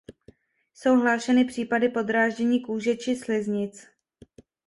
Jsou hlášeny případy podráždění kůže či sliznic.